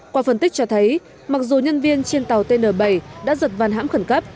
quả phân tích cho thấy mặc dù nhân viên trên tàu tn bảy đã giật vàn hãm khẩn cấp